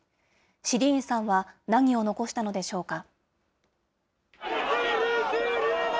シリーンさんは何を残したのでしょうか。